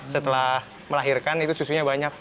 setelah melahirkan itu susunya banyak